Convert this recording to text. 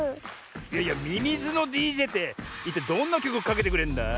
いやいやミミズのＤＪっていったいどんなきょくをかけてくれるんだ？